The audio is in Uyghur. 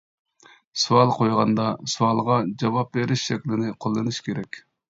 سوئال قويغاندا سوئالغا جاۋاب بېرىش شەكلىنى قوللىنىش كېرەك.